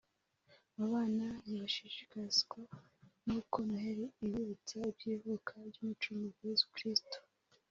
abana ntibashishikazwa n’uko Noheli ibibutsa iby’ivuka ry’Umucunguzi Yezu Kirisitu